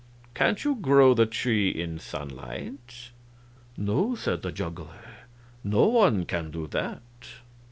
Can't you grow the tree in the sunlight?" "No," said the juggler; "no one can do that."